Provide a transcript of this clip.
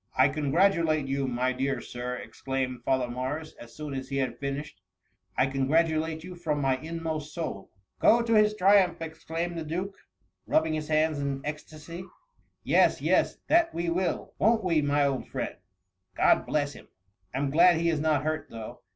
" I congratulate you, my dear sir!" ex claimed Father Morris, as soon as he had finish ed ; I congratulate you from my inmost soul !"" Gro to his triumph V exclaimed the duke, rubbing his hands in ecstacy ;^^ Yes, yes, that VOL. I. £ "H 74 THB MUMMY. we will : won't we, my old friend ? God bless him ! I 'm glad he is not hurt, though.